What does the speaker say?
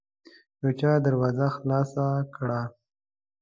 يو چا دروازه خلاصه کړه.